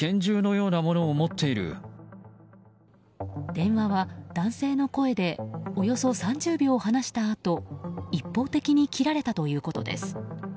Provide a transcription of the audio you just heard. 電話は男性の声でおよそ３０秒話したあと一方的に切られたということです。